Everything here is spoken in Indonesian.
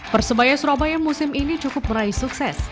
persebaya surabaya musim ini cukup meraih sukses